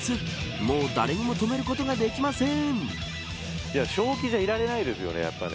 もう誰にも止めることができません。